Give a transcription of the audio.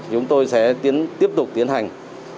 chúng tôi sẽ tiếp tục tiến hành